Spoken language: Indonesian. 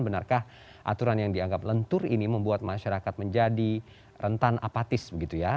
benarkah aturan yang dianggap lentur ini membuat masyarakat menjadi rentan apatis begitu ya